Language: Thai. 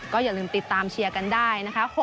อย่าลืมติดตามเชียร์กันได้นะคะ